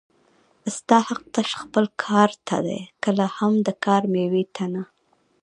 ستا حق تش خپل کار ته دی کله هم د کار مېوې ته نه